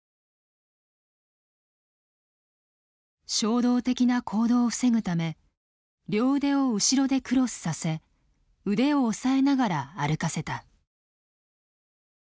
衝動的な行動を防ぐため両腕を後ろでクロスさせ腕を押さえながら歩かせた。